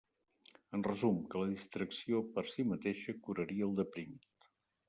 En resum, que la distracció per si mateixa curaria el deprimit.